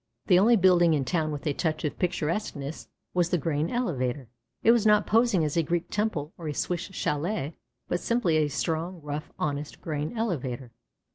The only building in town with a touch of picturesqueness was the grain elevator. It was not posing as a Greek temple or a Swiss chalet, but simply a strong, rough, honest, grain elevator.